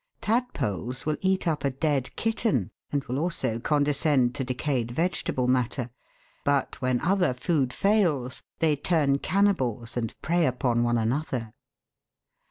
Tadpoles will eat up a dead kitten, and will also condescend to decayed vegetable matter, but when other food fails they turn cannibals and prey upon one another.